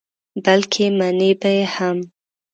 بلکې منې به یې هم.